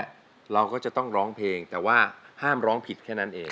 เราก็จะต้องร้องเพลงแต่ว่าห้ามร้องผิดแค่นั้นเอง